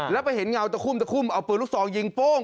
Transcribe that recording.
แล้วไปเห็นเงาตะคุ่มตะคุ่มเอาปืนลูกซองยิงโป้ง